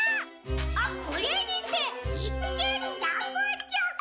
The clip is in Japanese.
「あっこれにていっけんらくちゃく！」。